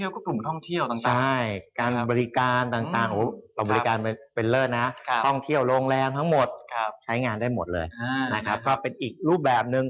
ก็เป็นอีกรูปแบบนึง